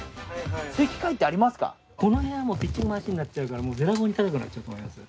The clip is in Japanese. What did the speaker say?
この辺はピッチングマシンになっちゃうからべらぼうに高くなっちゃうと思います。